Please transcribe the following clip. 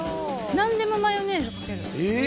なんでもマヨネーズかける。